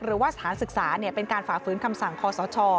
หรือว่าสถานศึกษาเป็นการฝ่าฝืนคำสั่งคอสช